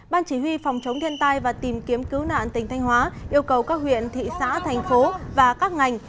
ban chỉ huy phòng chống thiên tai và tìm kiếm cứu nạn tỉnh thanh hóa yêu cầu các huyện thị xã thành phố và các ngành